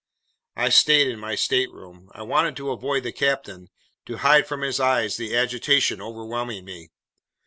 I stayed in my stateroom. I wanted to avoid the captain, to hide from his eyes the agitation overwhelming me.